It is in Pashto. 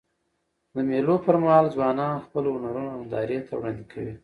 د مېلو پر مهال ځوانان خپل هنرونه نندارې ته وړاندي کوي.